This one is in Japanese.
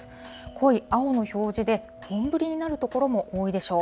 濃い青の表示で、本降りになる所も多いでしょう。